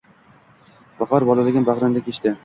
Bahor bolaligim bag‘ringda kechdi